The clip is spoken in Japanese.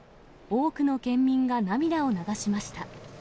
多くの県民が涙を流しました。